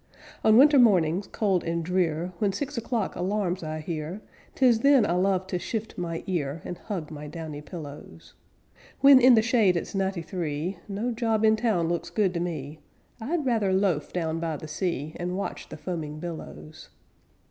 On winter mornings cold and drear, When six o'clock alarms I hear, 'Tis then I love to shift my ear, And hug my downy pillows. When in the shade it's ninety three, No job in town looks good to me, I'd rather loaf down by the sea, And watch the foaming billows.